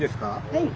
はい。